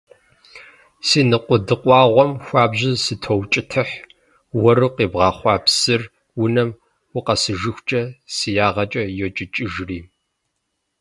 Си ныкъуэдыкъуагъым хуабжьу сытоукӀытыхь, уэру къибгъэхъуа псыр унэм укъэсыжыхукӀэ си ягъэкӀэ йокӀыкӀыжри.